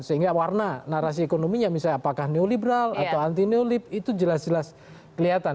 sehingga warna narasi ekonominya misalnya apakah neoliberal atau anti neolib itu jelas jelas kelihatan